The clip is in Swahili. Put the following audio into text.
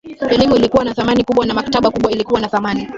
elimu ilikuwa na thamani kubwa na maktaba kubwa ilikuwa na thamani